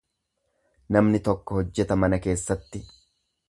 Namni tokko hojjeta mana keessatti.